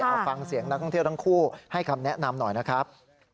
เอาฟังเสียงนักท่องเที่ยวทั้งคู่ให้คำแนะนำหน่อยนะครับ